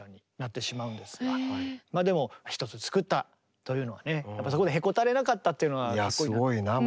でも１つ作ったというのはねそこでへこたれなかったっていうのはかっこいいなと。